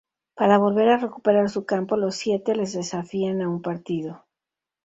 Para volver a recuperar su campo, los siete les desafían a un partido.